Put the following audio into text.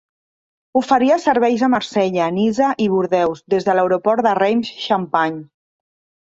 Oferia serveis a Marsella, Niça i Bordeus des de l'Aeroport de Reims Champagne.